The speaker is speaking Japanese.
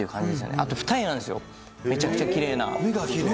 あと二重なんですよ、めちゃくちゃきれいな。